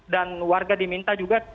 dan warga diminta juga